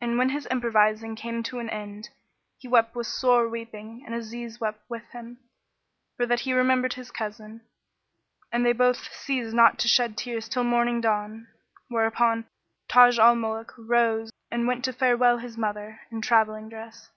And when his improvising came to an end, he wept with sore weeping and Aziz wept with him, for that he remembered his cousin; and they both ceased not to shed tears till morning dawned, whereupon Taj al Muluk rose and went to farewell his mother, in travelling dress.